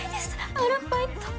アルバイト。